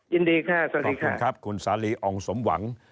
ยินดีค่ะสวัสดีคุณครับคุณสาลีอองสมหวัง